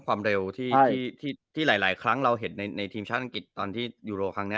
ความเร็วที่หลายครั้งเราเห็นในทีมชาติอังกฤษตอนที่ยูโรครั้งนี้